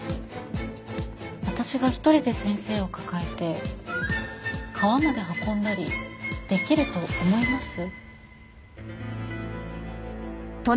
私が一人で先生を抱えて川まで運んだりできると思います？